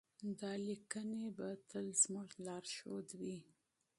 دا لیکنې به تل زموږ لارښود وي.